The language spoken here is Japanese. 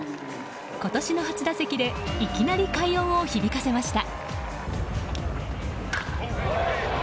今年の初打席でいきなり快音を響かせました。